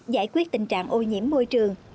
giải quyết tình trạng ô nhiễm môi trường